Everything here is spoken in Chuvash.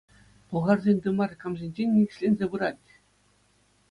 Пӑлхарсен тымарӗ камсенчен никӗсленсе пырать?